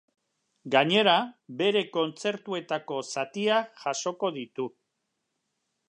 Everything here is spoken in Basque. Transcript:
Gainera, bere kontzertuetako zatiak jasoko ditu.